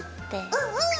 うんうん！